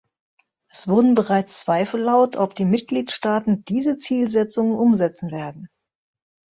Es wurden bereits Zweifel laut, ob die Mitgliedstaaten diese Zielsetzungen umsetzen werden.